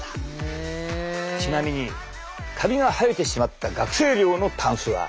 ちなみにカビが生えてしまった学生寮のタンスは。